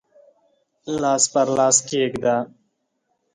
لاس پر لاس کښېږده